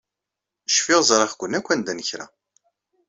Cfiɣ ẓriɣ-ken akk anda n kra.